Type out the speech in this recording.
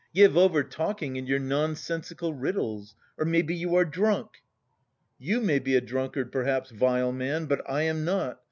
Give over talking in your nonsensical riddles! Or maybe you are drunk!" "You may be a drunkard, perhaps, vile man, but I am not!